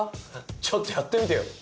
ちょっとやってみてよ！